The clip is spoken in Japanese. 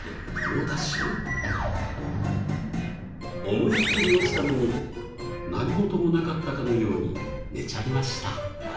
思いっきり落ちたのに何事もなかったかのように寝ちゃいました。